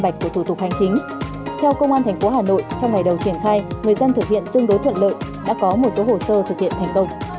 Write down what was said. đã có một số hồ sơ thực hiện thành công